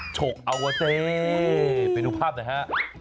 โชกเอาว่าเซรี่ไปดูภาพหน่อยฮะ